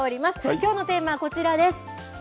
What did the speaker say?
きょうのテーマはこちらです。